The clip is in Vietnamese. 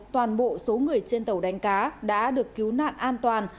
toàn bộ số người trên tàu đánh cá đã được cứu nạn an toàn